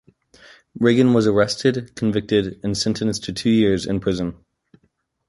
Regan was arrested, convicted, and sentenced to two years in prison.